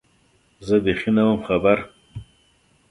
زه بېخي نه وم خبر